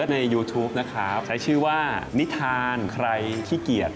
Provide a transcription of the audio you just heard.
นิทานใครขี้เกียจ